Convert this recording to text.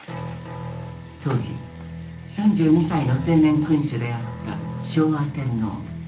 当時３２歳の青年君主であった昭和天皇。